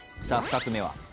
さあ２つ目は？